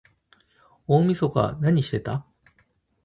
大晦日なにしてた？